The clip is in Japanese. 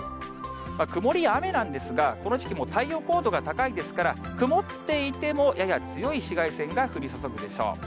曇りや雨なんですが、この時期、太陽高度が高いですから、曇っていても、やや強い紫外線が降り注ぐでしょう。